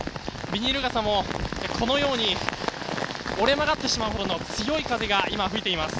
ビニール傘もこのように折れ曲がってしまうほどの強い風が今、吹いています。